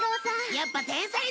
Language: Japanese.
やっぱ天才だよ！